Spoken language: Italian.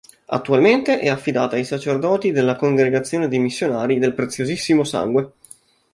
Attualmente è affidata ai sacerdoti della congregazione dei Missionari del Preziosissimo Sangue.